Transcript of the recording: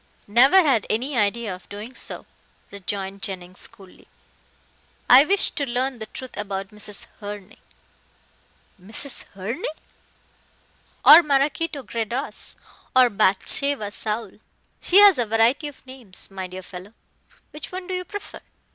"Never had any idea of doing so," rejoined Jennings coolly. "I wished to learn the truth about Mrs. Herne." "Mrs. Herne!" "Or Maraquito Gredos or Bathsheba Saul. She has a variety of names, my dear fellow. Which one do you prefer?"